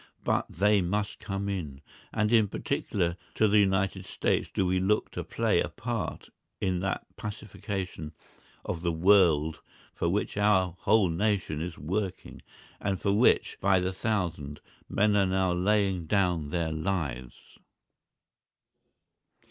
But they must come in. And in particular to the United States do we look to play a part in that pacification of the world for which our whole nation is working, and for which, by the thousand, men are now laying down their lives.